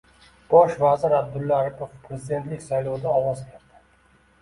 Bosh vazir Abdulla Aripov prezidentlik saylovida ovoz berdi